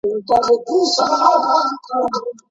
که د حوضونو اوبه پاکي سي، نو ناروغۍ نه لیږدول کیږي.